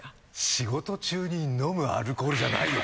仕事中に飲むアルコールじゃないよ